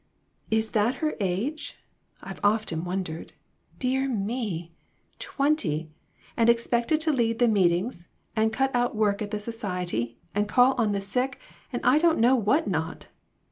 "Is that her age? I've often wondered. Dear me ! Twenty, and expected to lead the meetings, and cut out work at the society, and call on the sick, and I don't know what not